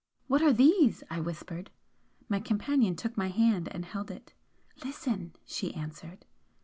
"What are these?" I whispered. My companion took my hand and held it. "Listen!" she answered.